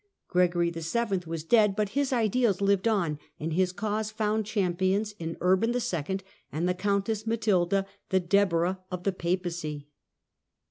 Gregory VII. was dead, but his ideals lived on, and his cause found champions in Urban II. and the Countess Matilda, " the Deborah of the Papacy."